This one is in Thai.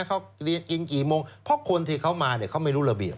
เขาเรียนกินกี่โมงเพราะคนที่เขามาเนี่ยเขาไม่รู้ระเบียบ